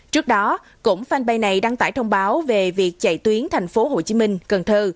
trước đó cũng fanpage này đăng tải thông báo về việc chạy tuyến tp hcm cần thơ